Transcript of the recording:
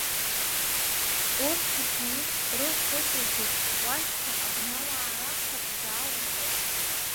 Урҭ уҭиит, рыхә ыҵухит, уашьцәа абнауаа ракәхап изааурхәаз.